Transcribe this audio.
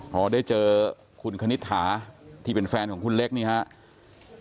พอได้เจอคุณคณิตถาที่เป็นแฟนของคุณเล็กนี่ครับ